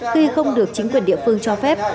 khi không được chính quyền địa phương cho phép